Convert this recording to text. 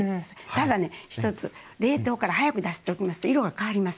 ただね一つ冷凍から早く出しておきますと色が変わります。